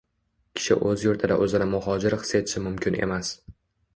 Kishi o‘z yurtida o‘zini muhojir his etishi mumkin emas.